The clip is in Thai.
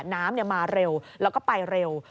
น้ำมาเร็วแล้วก็ไปเร็ว